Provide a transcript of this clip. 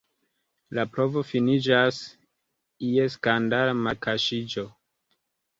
La provo finiĝas je skandala malkaŝiĝo.